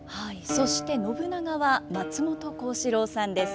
そして信長は松本幸四郎さんです。